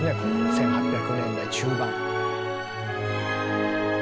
１８００年代中盤。